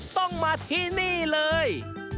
ต้องมาที่นี่เลย